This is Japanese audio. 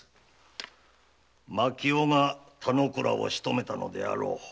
忍びが田之倉をしとめたのであろう。